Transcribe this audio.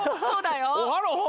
そうだよ！